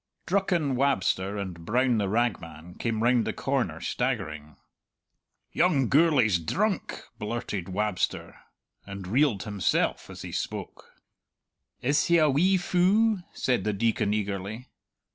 Drucken Wabster and Brown the ragman came round the corner, staggering. "Young Gourlay's drunk!" blurted Wabster and reeled himself as he spoke. "Is he a wee fou?" said the Deacon eagerly.